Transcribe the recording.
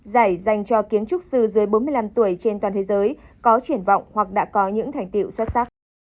giải dành cho kiến trúc sư dưới bốn mươi năm tuổi trên toàn thế giới có triển vọng hoặc đã có những thành tiệu xuất sắc